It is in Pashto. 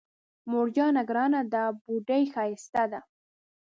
مور جانه ګرانه ده بوډۍ ښايسته ده